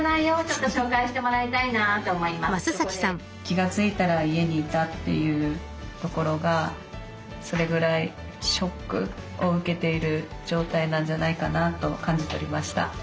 気が付いたら家にいたというところがそれぐらいショックを受けている状態なんじゃないかなと感じ取りました。